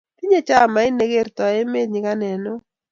tinye chamait ne kertoo emee nyiganet neo